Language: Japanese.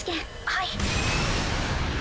はい。